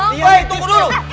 woy tunggu dulu